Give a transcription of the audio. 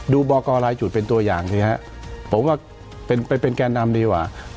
ดูบอกกรรายจุดเป็นตัวอย่างนะครับผมว่าเป็นแก่นำดีกว่า